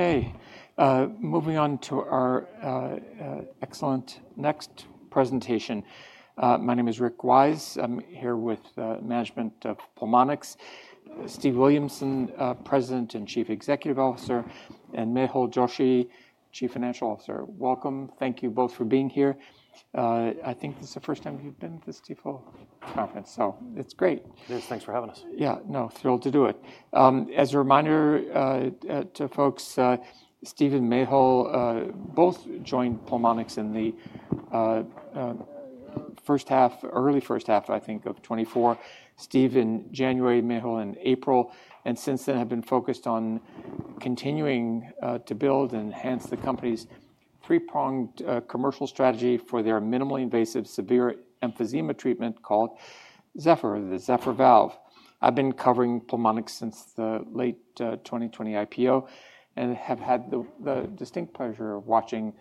Okay, moving on to our excellent next presentation. My name is Rick Wise. I'm here with management of Pulmonx. Steve Williamson, President and Chief Executive Officer, and Mehul Joshi, Chief Financial Officer. Welcome. Thank you both for being here. I think this is the first time you've been at this Stifel conference, so it's great. It is. Thanks for having us. Yeah, no, thrilled to do it. As a reminder to folks, Steve and Mehul both joined Pulmonx in the first half, early first half, I think, of 2024. Steve in January, Mehul in April, and since then have been focused on continuing to build and enhance the company's three-pronged commercial strategy for their minimally invasive severe emphysema treatment called Zephyr, the Zephyr Valve. I've been covering Pulmonx since the late 2020 IPO and have had the distinct pleasure of watching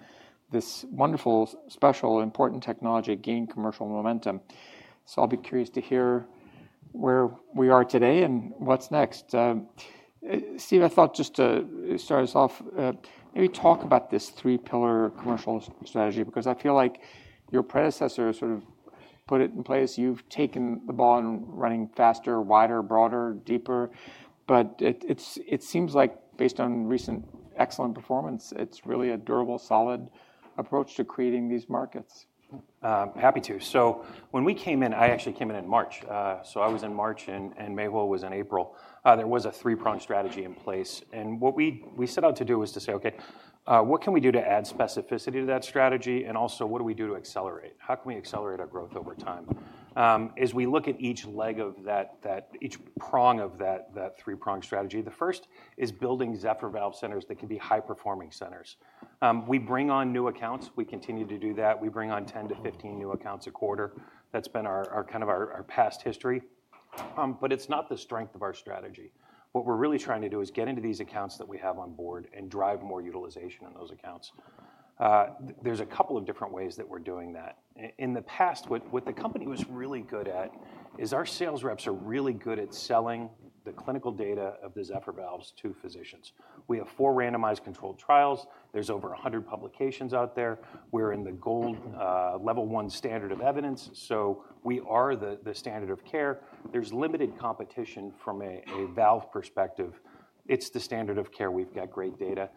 this wonderful, special, important technology gain commercial momentum. So I'll be curious to hear where we are today and what's next. Steve, I thought just to start us off, maybe talk about this three-pillar commercial strategy, because I feel like your predecessor sort of put it in place. You've taken the ball and running faster, wider, broader, deeper. But it seems like, based on recent excellent performance, it's really a durable, solid approach to creating these markets. Happy to. So when we came in, I actually came in in March. So I was in March and Mehul was in April. There was a three-pronged strategy in place. And what we set out to do was to say, okay, what can we do to add specificity to that strategy? And also, what do we do to accelerate? How can we accelerate our growth over time? As we look at each leg of that, each prong of that three-pronged strategy, the first is building Zephyr Valve centers that can be high-performing centers. We bring on new accounts. We continue to do that. We bring on 10-15 new accounts a quarter. That's been our kind of past history. But it's not the strength of our strategy. What we're really trying to do is get into these accounts that we have on board and drive more utilization in those accounts. There's a couple of different ways that we're doing that. In the past, what the company was really good at is our sales reps are really good at selling the clinical data of the Zephyr Valves to physicians. We have four randomized controlled trials. There's over 100 publications out there. We're in the GOLD Level 1 standard of evidence. So we are the standard of care. There's limited competition from a valve perspective. It's the standard of care. We've got great data.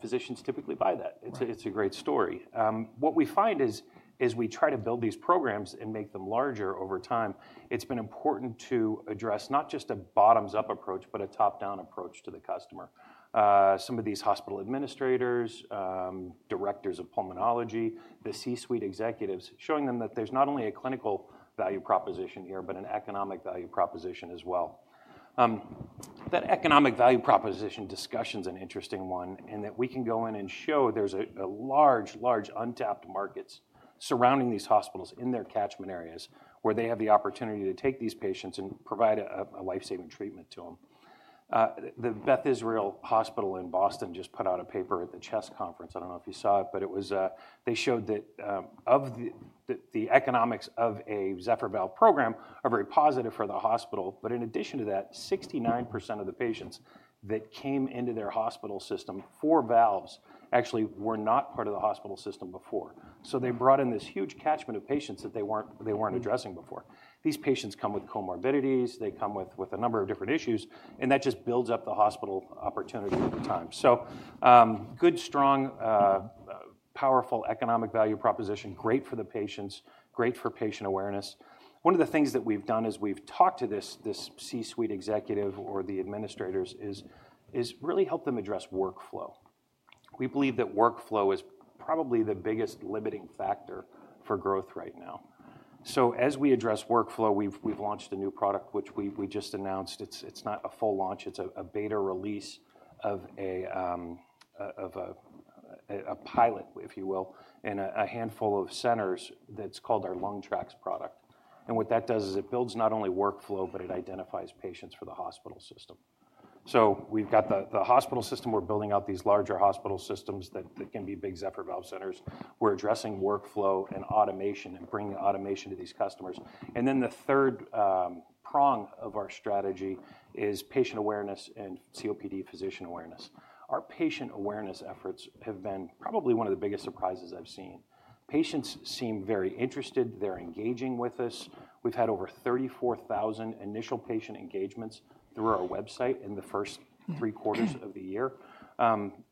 Physicians typically buy that. It's a great story. What we find is as we try to build these programs and make them larger over time, it's been important to address not just a bottoms-up approach, but a top-down approach to the customer. Some of these hospital administrators, directors of pulmonology, the C-suite executives, showing them that there's not only a clinical value proposition here, but an economic value proposition as well. That economic value proposition discussion is an interesting one in that we can go in and show there's a large, large untapped market surrounding these hospitals in their catchment areas where they have the opportunity to take these patients and provide a lifesaving treatment to them. The Beth Israel Hospital in Boston just put out a paper at the CHEST conference. I don't know if you saw it, but it was they showed that the economics of a Zephyr valve program are very positive for the hospital. But in addition to that, 69% of the patients that came into their hospital system for valves actually were not part of the hospital system before. So they brought in this huge catchment of patients that they weren't addressing before. These patients come with comorbidities. They come with a number of different issues. And that just builds up the hospital opportunity over time. So good, strong, powerful economic value proposition, great for the patients, great for patient awareness. One of the things that we've done is we've talked to this C-suite executive or the administrators is really help them address workflow. We believe that workflow is probably the biggest limiting factor for growth right now. So as we address workflow, we've launched a new product, which we just announced. It's not a full launch. It's a beta release of a pilot, if you will, in a handful of centers that's called our LungTraX product. And what that does is it builds not only workflow, but it identifies patients for the hospital system. So we've got the hospital system. We're building out these larger hospital systems that can be big Zephyr Valve centers. We're addressing workflow and automation and bringing automation to these customers, and then the third prong of our strategy is patient awareness and COPD physician awareness. Our patient awareness efforts have been probably one of the biggest surprises I've seen. Patients seem very interested. They're engaging with us. We've had over 34,000 initial patient engagements through our website in the first three quarters of the year.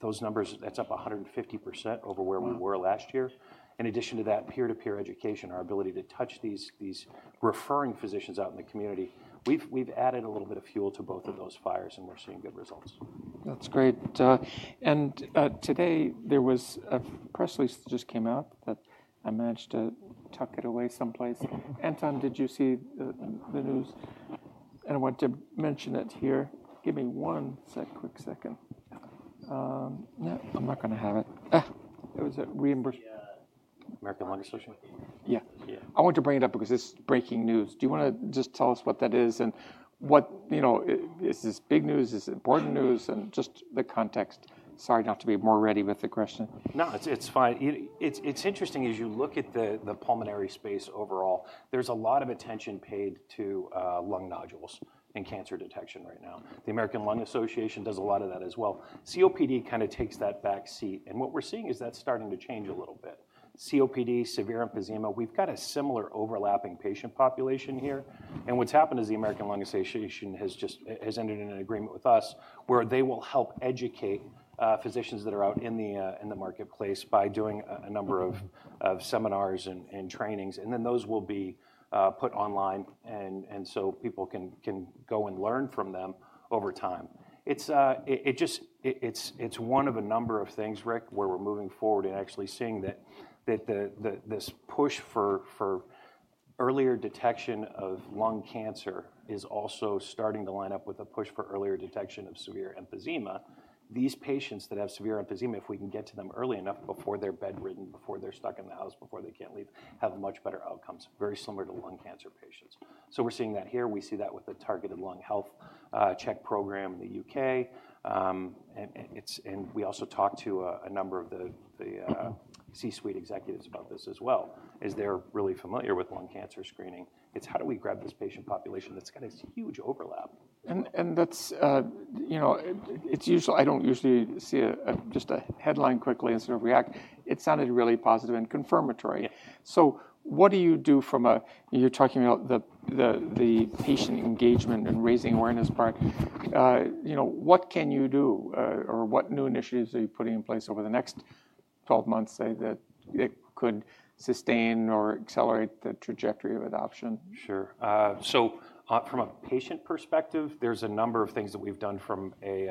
Those numbers, that's up 150% over where we were last year. In addition to that, peer-to-peer education, our ability to touch these referring physicians out in the community, we've added a little bit of fuel to both of those fires, and we're seeing good results. That's great. And today there was a press release that just came out that I managed to tuck it away someplace. Anton, did you see the news? I want to mention it here. Give me one quick second. I'm not going to have it. It was a reimbursement. American Lung Association. Yeah. I want to bring it up because it's breaking news. Do you want to just tell us what that is and what is this big news, this important news, and just the context? Sorry not to be more ready with the question. No, it's fine. It's interesting as you look at the pulmonary space overall. There's a lot of attention paid to lung nodules in cancer detection right now. The American Lung Association does a lot of that as well. COPD kind of takes that backseat, and what we're seeing is that's starting to change a little bit. COPD, severe emphysema, we've got a similar overlapping patient population here, and what's happened is the American Lung Association has just entered an agreement with us where they will help educate physicians that are out in the marketplace by doing a number of seminars and trainings, and then those will be put online, and so people can go and learn from them over time. It's one of a number of things, Rick, where we're moving forward and actually seeing that this push for earlier detection of lung cancer is also starting to line up with a push for earlier detection of severe emphysema. These patients that have severe emphysema, if we can get to them early enough before they're bedridden, before they're stuck in the house, before they can't leave, have much better outcomes, very similar to lung cancer patients. So we're seeing that here. We see that with the Targeted Lung Health Check program in the U.K. And we also talked to a number of the C-suite executives about this as well as they're really familiar with lung cancer screening. It's how do we grab this patient population that's got this huge overlap. It's unusual. I don't usually see just a headline quickly and sort of react. It sounded really positive and confirmatory. What do you do from a, you're talking about the patient engagement and raising awareness part. What can you do or what new initiatives are you putting in place over the next 12 months that could sustain or accelerate the trajectory of adoption? Sure. So from a patient perspective, there's a number of things that we've done from an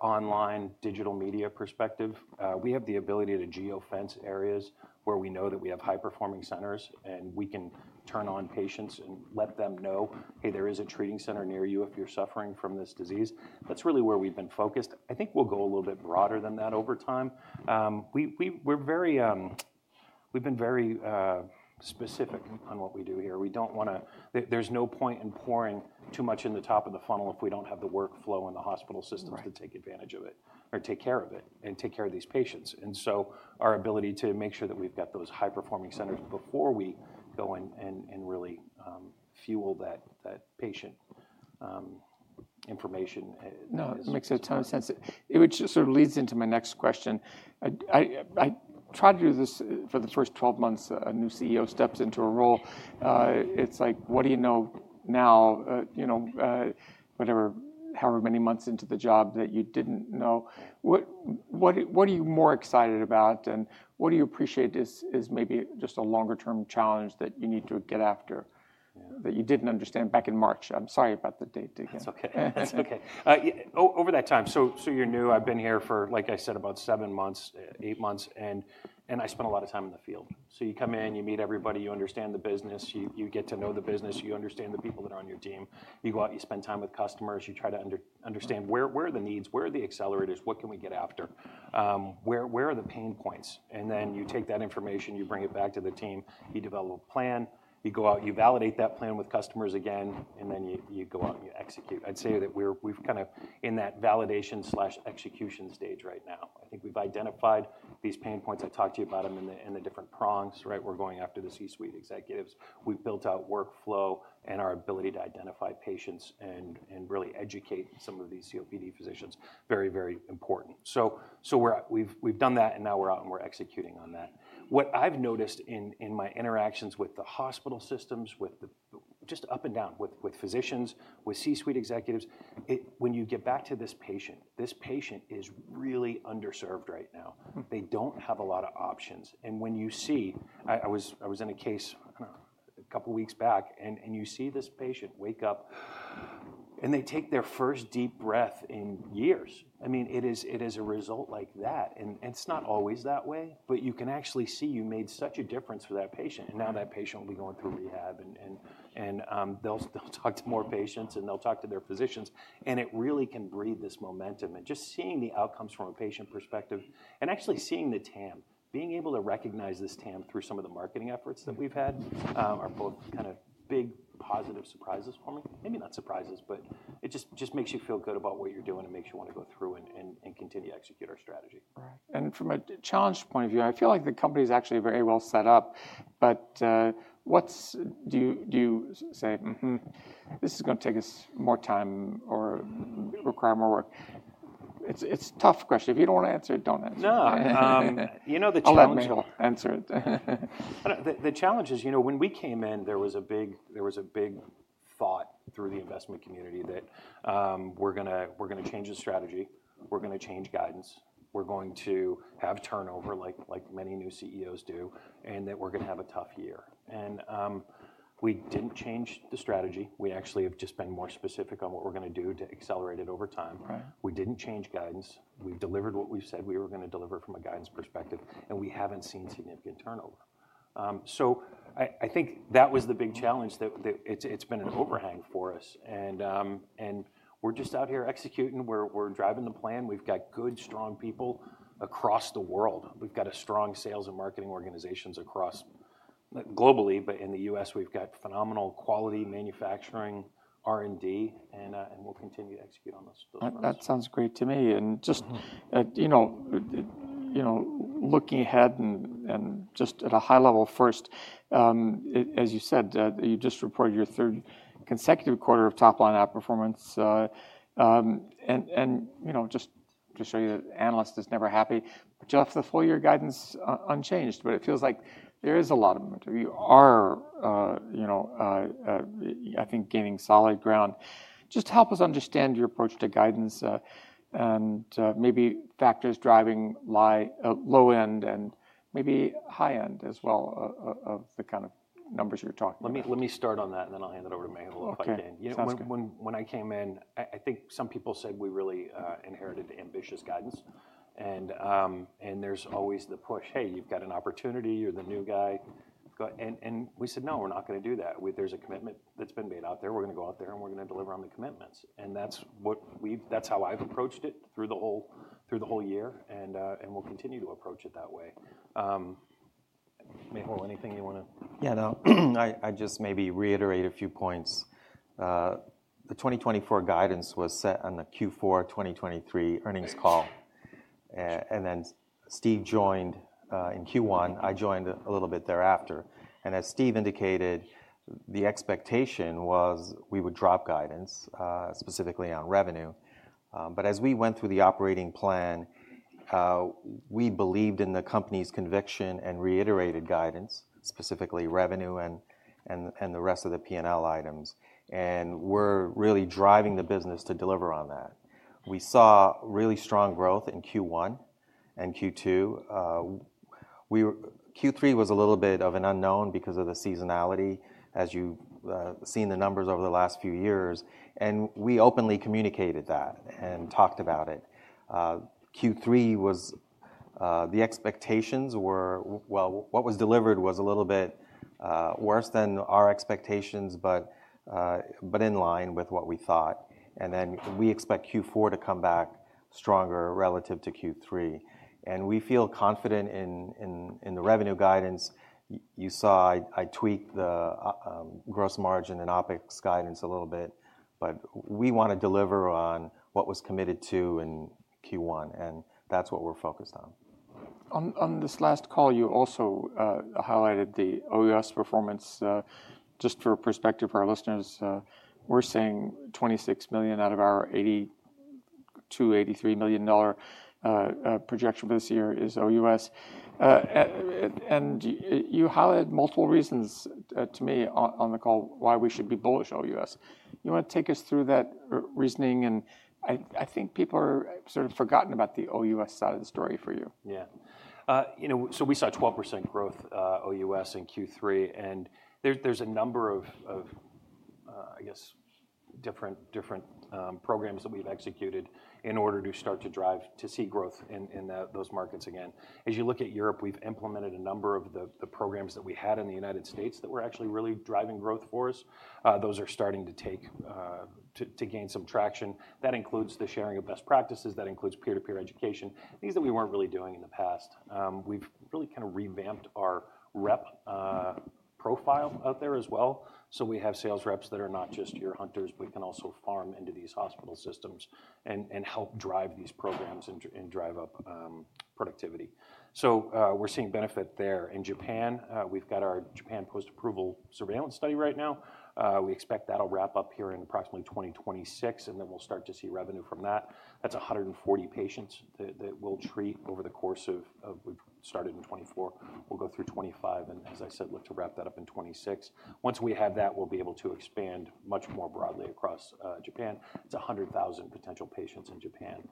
online digital media perspective. We have the ability to geofence areas where we know that we have high-performing centers and we can turn on patients and let them know, hey, there is a treating center near you if you're suffering from this disease. That's really where we've been focused. I think we'll go a little bit broader than that over time. We've been very specific on what we do here. We don't want to, there's no point in pouring too much in the top of the funnel if we don't have the workflow and the hospital systems to take advantage of it or take care of it and take care of these patients. And so our ability to make sure that we've got those high-performing centers before we go and really fuel that patient information. No, it makes a ton of sense. It sort of leads into my next question. I try to do this for the first 12 months. A new CEO steps into a role. It's like, what do you know now, whatever, however many months into the job that you didn't know? What are you more excited about and what do you appreciate is maybe just a longer-term challenge that you need to get after that you didn't understand back in March? I'm sorry about the date again. That's okay. That's okay. Over that time, so you're new. I've been here for, like I said, about seven months, eight months. And I spent a lot of time in the field. So you come in, you meet everybody, you understand the business, you get to know the business, you understand the people that are on your team. You spend time with customers. You try to understand where are the needs, where are the accelerators, what can we get after, where are the pain points. And then you take that information, you bring it back to the team, you develop a plan, you go out, you validate that plan with customers again, and then you go out and you execute. I'd say that we're kind of in that validation/execution stage right now. I think we've identified these pain points. I talked to you about them in the different prongs, right? We're going after the C-suite executives. We've built out workflow and our ability to identify patients and really educate some of these COPD physicians. Very, very important. So we've done that and now we're out and we're executing on that. What I've noticed in my interactions with the hospital systems, with just up and down with physicians, with C-suite executives, when you get back to this patient, this patient is really underserved right now. They don't have a lot of options. And when you see, I was in a case a couple of weeks back and you see this patient wake up and they take their first deep breath in years. I mean, it is a result like that. And it's not always that way, but you can actually see you made such a difference for that patient. And now that patient will be going through rehab and they'll talk to more patients and they'll talk to their physicians. And it really can breed this momentum. And just seeing the outcomes from a patient perspective and actually seeing the TAM, being able to recognize this TAM through some of the marketing efforts that we've had are both kind of big positive surprises for me. Maybe not surprises, but it just makes you feel good about what you're doing and makes you want to go through and continue to execute our strategy. Right. And from a challenge point of view, I feel like the company is actually very well set up. But what do you say? This is going to take us more time or require more work. It's a tough question. If you don't want to answer, don't answer. No. You know the challenge. I'll let Mehul answer it. The challenge is, you know, when we came in, there was a big thought through the investment community that we're going to change the strategy. We're going to change guidance. We're going to have turnover like many new CEOs do and that we're going to have a tough year, and we didn't change the strategy. We actually have just been more specific on what we're going to do to accelerate it over time. We didn't change guidance. We've delivered what we've said we were going to deliver from a guidance perspective, and we haven't seen significant turnover, so I think that was the big challenge that it's been an overhang for us, and we're just out here executing. We're driving the plan. We've got good, strong people across the world. We've got a strong sales and marketing organizations across globally, but in the U.S., we've got phenomenal quality manufacturing, R&D, and we'll continue to execute on those things. That sounds great to me. And just looking ahead and just at a high level first, as you said, you just reported your third consecutive quarter of top line outperformance. And just to show you that analyst is never happy, but you left the full year guidance unchanged, but it feels like there is a lot of movement. You are, I think, gaining solid ground. Just help us understand your approach to guidance and maybe factors driving low end and maybe high end as well of the kind of numbers you're talking about. Let me start on that and then I'll hand it over to Mehul if I can. That sounds good. When I came in, I think some people said we really inherited ambitious guidance. And there's always the push, hey, you've got an opportunity. You're the new guy. And we said, no, we're not going to do that. There's a commitment that's been made out there. We're going to go out there and we're going to deliver on the commitments. And that's how I've approached it through the whole year and we'll continue to approach it that way. Mehul, anything you want to? Yeah, no. I just maybe reiterate a few points. The 2024 guidance was set on the Q4 2023 earnings call. And then Steve joined in Q1. I joined a little bit thereafter. And as Steve indicated, the expectation was we would drop guidance specifically on revenue. But as we went through the operating plan, we believed in the company's conviction and reiterated guidance, specifically revenue and the rest of the P&L items. And we're really driving the business to deliver on that. We saw really strong growth in Q1 and Q2. Q3 was a little bit of an unknown because of the seasonality as you've seen the numbers over the last few years. And we openly communicated that and talked about it. Q3 was the expectations were, well, what was delivered was a little bit worse than our expectations, but in line with what we thought. We expect Q4 to come back stronger relative to Q3. We feel confident in the revenue guidance. You saw I tweaked the gross margin and OpEx guidance a little bit, but we want to deliver on what was committed to in Q1. That's what we're focused on. On this last call, you also highlighted the OUS performance. Just for perspective for our listeners, we're saying $26 million out of our $82 million-$83 million projection for this year is OUS. And you highlighted multiple reasons to me on the call why we should be bullish on OUS. You want to take us through that reasoning? And I think people are sort of forgotten about the OUS side of the story for you. Yeah. So we saw 12% growth OUS in Q3, and there's a number of, I guess, different programs that we've executed in order to start to drive to see growth in those markets again. As you look at Europe, we've implemented a number of the programs that we had in the United States that were actually really driving growth for us. Those are starting to gain some traction. That includes the sharing of best practices. That includes peer-to-peer education, things that we weren't really doing in the past. We've really kind of revamped our rep profile out there as well, so we have sales reps that are not just your hunters. We can also farm into these hospital systems and help drive these programs and drive up productivity, so we're seeing benefit there. In Japan, we've got our Japan post-approval surveillance study right now. We expect that'll wrap up here in approximately 2026, and then we'll start to see revenue from that. That's 140 patients that we'll treat over the course of, we've started in 2024. We'll go through 2025 and, as I said, look to wrap that up in 2026. Once we have that, we'll be able to expand much more broadly across Japan. It's 100,000 potential patients in Japan.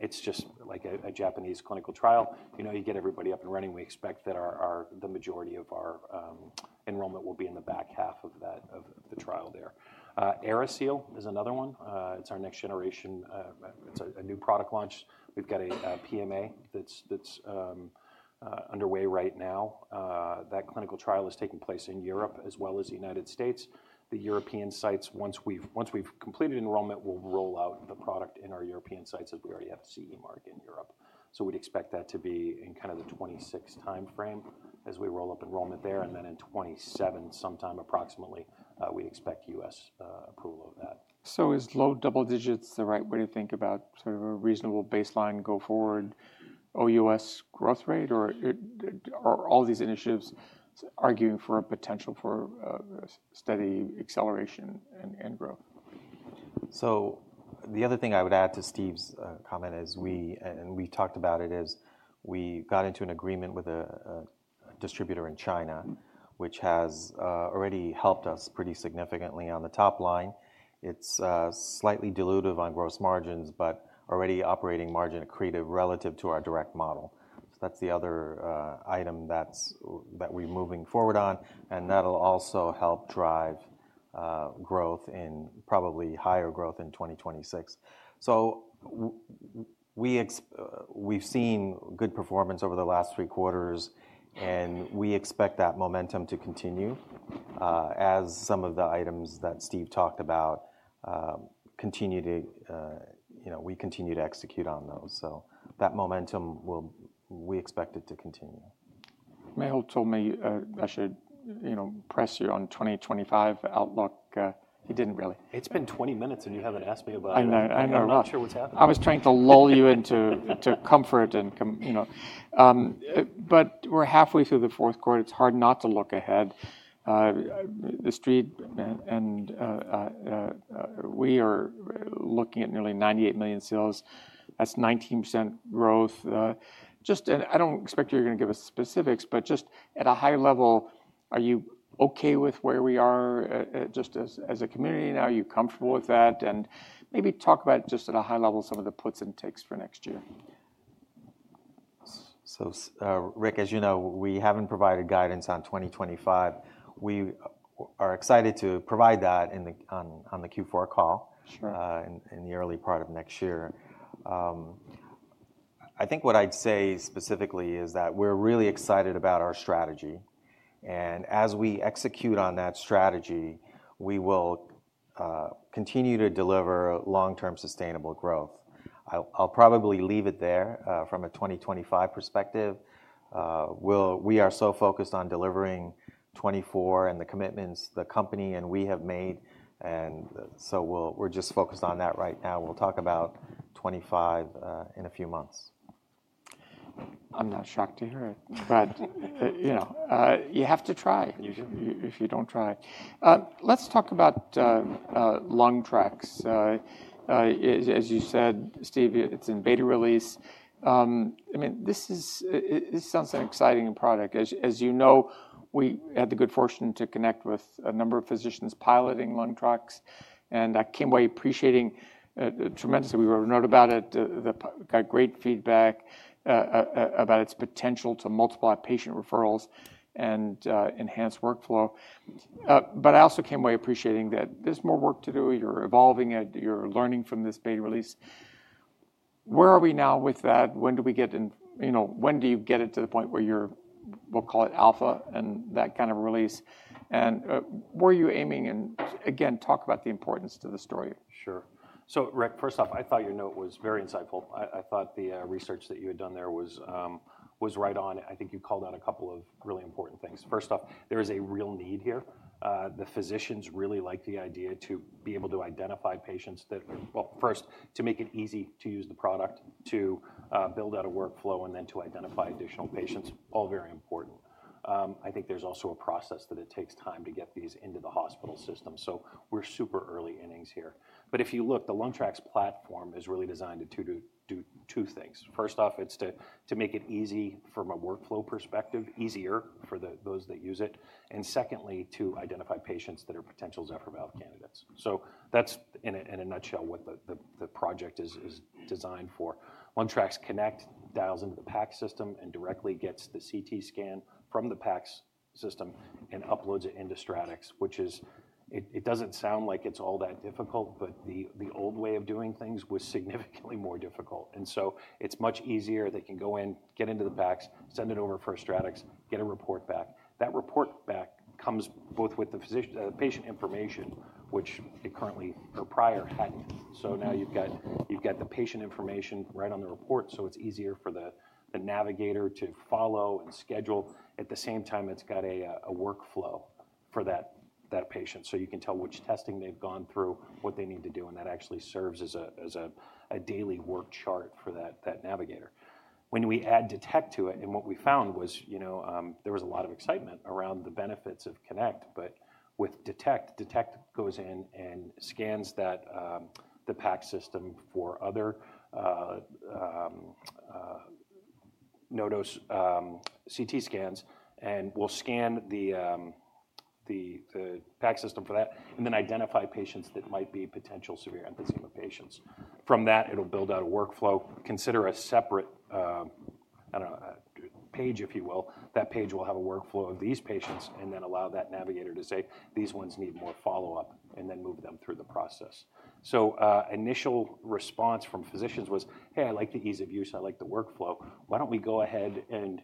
It's just like a Japanese clinical trial. You know, you get everybody up and running. We expect that the majority of our enrollment will be in the back half of the trial there. AeriSeal is another one. It's our next generation. It's a new product launch. We've got a PMA that's underway right now. That clinical trial is taking place in Europe as well as the United States. The European sites, once we've completed enrollment, we'll roll out the product in our European sites as we already have CE Mark in Europe. So we'd expect that to be in kind of the 2026 timeframe as we roll up enrollment there. And then in 2027, sometime approximately, we expect U.S. approval of that. So is low double digits the right way to think about sort of a reasonable baseline go forward OUS growth rate or are all these initiatives arguing for a potential for steady acceleration and growth? So the other thing I would add to Steve's comment, and we talked about it, is we got into an agreement with a distributor in China, which has already helped us pretty significantly on the top line. It's slightly dilutive on gross margins, but already operating margin accretive relative to our direct model. So that's the other item that we're moving forward on. And that'll also help drive growth in probably higher growth in 2026. So we've seen good performance over the last three quarters, and we expect that momentum to continue as some of the items that Steve talked about continue to, you know, we continue to execute on those. So that momentum, we expect it to continue. Michael told me I should press you on 2025 outlook. He didn't really. It's been 20 minutes and you haven't asked me about it. I know. I'm not sure what's happening. I was trying to lull you into comfort and, you know. But we're halfway through the fourth quarter. It's hard not to look ahead. The Street and we are looking at nearly $98 million sales. That's 19% growth. Just, and I don't expect you're going to give us specifics, but just at a high level, are you okay with where we are just as a company now? Are you comfortable with that? And maybe talk about just at a high level, some of the puts and takes for next year. So Rick, as you know, we haven't provided guidance on 2025. We are excited to provide that on the Q4 call in the early part of next year. I think what I'd say specifically is that we're really excited about our strategy. And as we execute on that strategy, we will continue to deliver long-term sustainable growth. I'll probably leave it there from a 2025 perspective. We are so focused on delivering 2024 and the commitments the company and we have made. And so we're just focused on that right now. We'll talk about 2025 in a few months. I'm not shocked to hear it, but you know, you have to try if you don't try. Let's talk about LungTraX. As you said, Steve, it's in beta release. I mean, this sounds like an exciting product. As you know, we had the good fortune to connect with a number of physicians piloting LungTraX, and I came away appreciating tremendously. We wrote a note about it. Got great feedback about its potential to multiply patient referrals and enhance workflow, but I also came away appreciating that there's more work to do. You're evolving. You're learning from this beta release. Where are we now with that? When do we get, you know, when do you get it to the point where you're, we'll call it Alpha and that kind of release, and where are you aiming, and again, talk about the importance to the story. Sure. So Rick, first off, I thought your note was very insightful. I thought the research that you had done there was right on. I think you called out a couple of really important things. First off, there is a real need here. The physicians really like the idea to be able to identify patients that, well, first, to make it easy to use the product to build out a workflow and then to identify additional patients, all very important. I think there's also a process that it takes time to get these into the hospital system. So we're super early innings here. But if you look, the LungTraX Platform is really designed to do two things. First off, it's to make it easy from a workflow perspective, easier for those that use it. And secondly, to identify patients that are potential Zephyr Valve candidates. So that's in a nutshell what the project is designed for. LungTraX Connect integrates into the PACS system and directly gets the CT scan from the PACS system and uploads it into StratX, which is, it doesn't sound like it's all that difficult, but the old way of doing things was significantly more difficult. And so it's much easier. They can go in, get into the PACS, send it over for StratX, get a report back. That report back comes both with the patient information, which it currently, or prior, hadn't. So now you've got the patient information right on the report. So it's easier for the navigator to follow and schedule. At the same time, it's got a workflow for that patient. So you can tell which testing they've gone through, what they need to do, and that actually serves as a daily work chart for that navigator. When we add Detect to it, and what we found was, you know, there was a lot of excitement around the benefits of Connect, but with Detect, Detect goes in and scans the PACS system for other low-dose CT scans and will scan the PACS system for that and then identify patients that might be potential severe emphysema patients. From that, it'll build out a workflow, consider a separate, I don't know, page, if you will. That page will have a workflow of these patients and then allow that navigator to say, these ones need more follow-up and then move them through the process. So initial response from physicians was, hey, I like the ease of use. I like the workflow. Why don't we go ahead and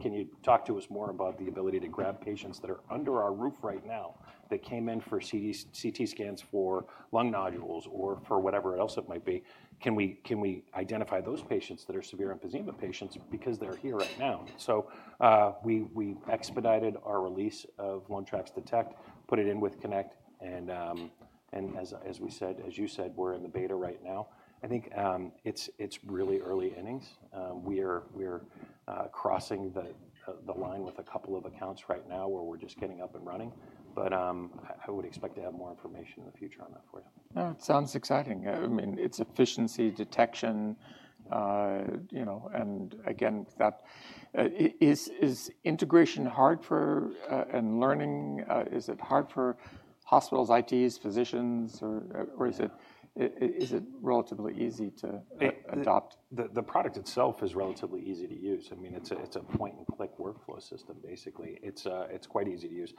can you talk to us more about the ability to grab patients that are under our roof right now that came in for CT scans for lung nodules or for whatever else it might be? Can we identify those patients that are severe emphysema patients because they're here right now? We expedited our release of LungTraX Detect, put it in with LungTraX Connect, and as we said, as you said, we're in the beta right now. I think it's really early innings. We are crossing the line with a couple of accounts right now where we're just getting up and running. But I would expect to have more information in the future on that for you. It sounds exciting. I mean, it's efficiency, detection, you know, and again, that is integration hard for and learning? Is it hard for hospitals, ITs, physicians, or is it relatively easy to adopt? The product itself is relatively easy to use. I mean, it's a point-and-click workflow system, basically. It's quite easy to use.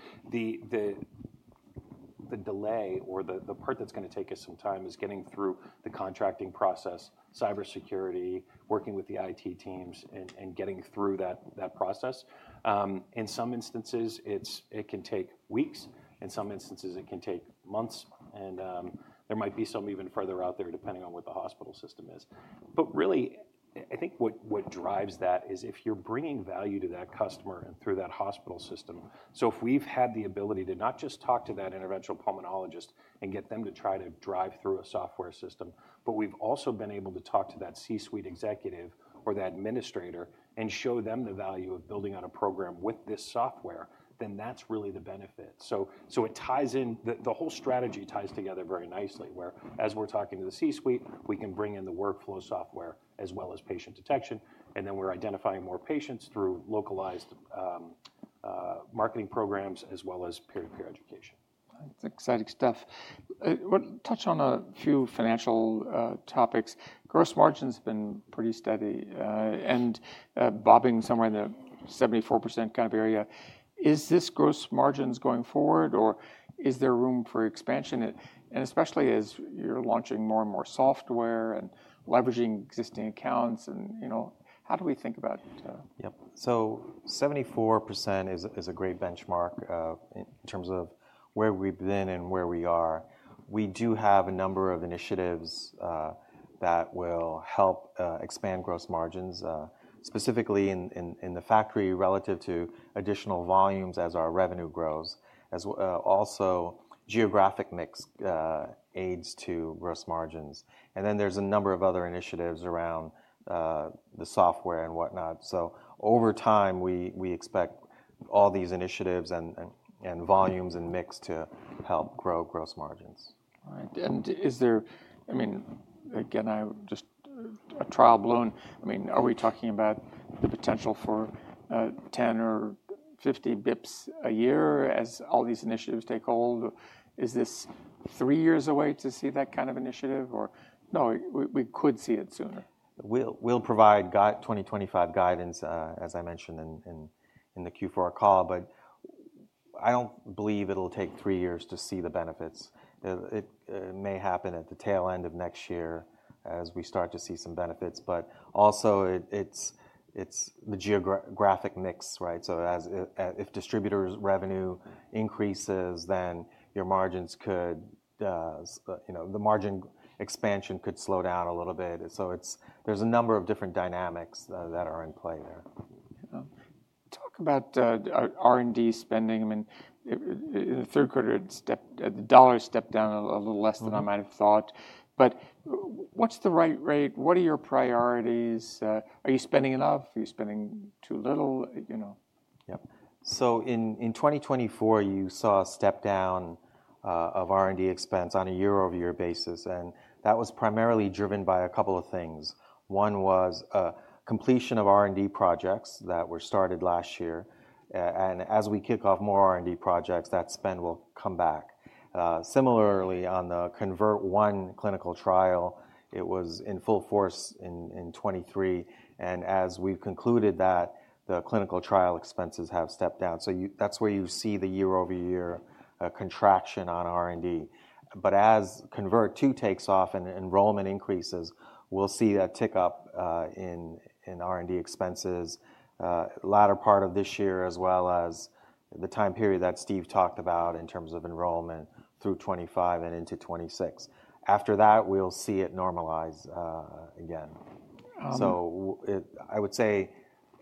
The delay or the part that's going to take us some time is getting through the contracting process, cybersecurity, working with the IT teams and getting through that process. In some instances, it can take weeks. In some instances, it can take months. And there might be some even further out there depending on what the hospital system is. But really, I think what drives that is if you're bringing value to that customer and through that hospital system. So if we've had the ability to not just talk to that interventional pulmonologist and get them to try to drive through a software system, but we've also been able to talk to that C-suite executive or that administrator and show them the value of building out a program with this software, then that's really the benefit. So it ties in, the whole strategy ties together very nicely whereas we're talking to the C-suite, we can bring in the workflow software as well as patient detection. And then we're identifying more patients through localized marketing programs as well as peer-to-peer education. It's exciting stuff. Touch on a few financial topics. Gross margin has been pretty steady and bobbing somewhere in the 74% kind of area. Is this gross margin going forward or is there room for expansion, and especially as you're launching more and more software and leveraging existing accounts and, you know, how do we think about? Yep. So 74% is a great benchmark in terms of where we've been and where we are. We do have a number of initiatives that will help expand gross margins, specifically in the factory relative to additional volumes as our revenue grows. Also, geographic mix aids to gross margins. And then there's a number of other initiatives around the software and whatnot. So over time, we expect all these initiatives and volumes and mix to help grow gross margins. All right. And is there, I mean, again, I just a trial balloon. I mean, are we talking about the potential for 10 or 50 bps a year as all these initiatives take hold? Is this three years away to see that kind of initiative or no, we could see it sooner? We'll provide 2025 guidance, as I mentioned in the Q4 call, but I don't believe it'll take three years to see the benefits. It may happen at the tail end of next year as we start to see some benefits. But also it's the geographic mix, right? So if distributor revenue increases, then your margins could, you know, the margin expansion could slow down a little bit. So there's a number of different dynamics that are in play there. Talk about R&D spending. I mean, in the third quarter, the dollar stepped down a little less than I might have thought. But what's the right rate? What are your priorities? Are you spending enough? Are you spending too little? You know. Yep. So in 2024, you saw a step down of R&D expense on a year-over-year basis. And that was primarily driven by a couple of things. One was completion of R&D projects that were started last year. And as we kick off more R&D projects, that spend will come back. Similarly, on the CONVERT I clinical trial, it was in full force in 2023. And as we've concluded that, the clinical trial expenses have stepped down. So that's where you see the year-over-year contraction on R&D. But as CONVERT II takes off and enrollment increases, we'll see that tick up in R&D expenses, latter part of this year, as well as the time period that Steve talked about in terms of enrollment through 2025 and into 2026. After that, we'll see it normalize again. I would say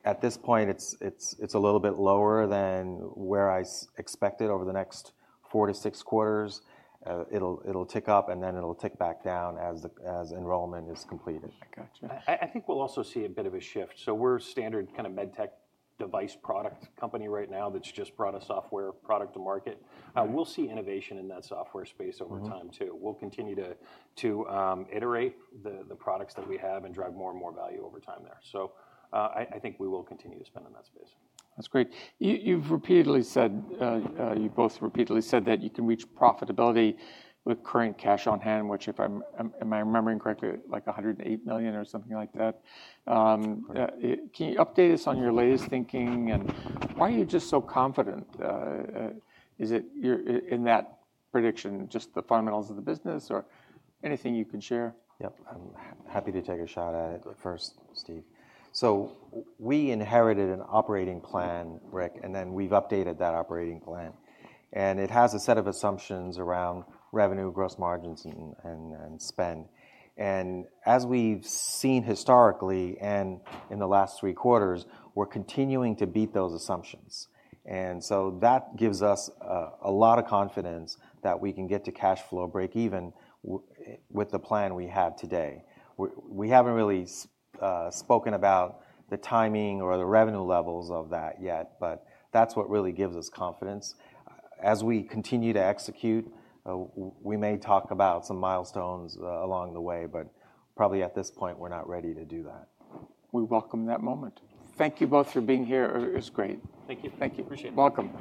at this point, it's a little bit lower than where I expected over the next four to six quarters..It'll tick up and then it'll tick back down as enrollment is completed. I gotcha. I think we'll also see a bit of a shift. So we're a standard kind of med tech device product company right now that's just brought a software product to market. We'll see innovation in that software space over time too. We'll continue to iterate the products that we have and drive more and more value over time there. So I think we will continue to spend in that space. That's great. You've repeatedly said, you both repeatedly said that you can reach profitability with current cash on hand, which if I'm remembering correctly, like $108 million or something like that. Can you update us on your latest thinking and why are you just so confident? Is it in that prediction, just the fundamentals of the business or anything you can share? Yep. I'm happy to take a shot at it first, Steve. So we inherited an operating plan, Rick, and then we've updated that operating plan. And it has a set of assumptions around revenue, gross margins, and spend. And as we've seen historically and in the last three quarters, we're continuing to beat those assumptions. And so that gives us a lot of confidence that we can get to cash flow break even with the plan we have today. We haven't really spoken about the timing or the revenue levels of that yet, but that's what really gives us confidence. As we continue to execute, we may talk about some milestones along the way, but probably at this point, we're not ready to do that. We welcome that moment. Thank you both for being here. It was great. Thank you. Thank you. Appreciate it. Welcome.